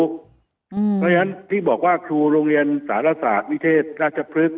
เพราะฉะนั้นที่บอกว่าครูโรงเรียนสารศาสตร์วิเทศราชพฤกษ